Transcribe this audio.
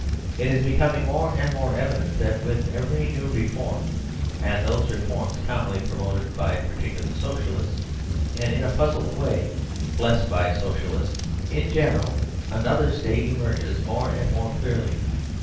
It is becoming more and more evident that with every new reform and those reforms commonly promoted by particular Socialists, and in a puzzled way blessed by Socialists in general another state emerges more and more clearly.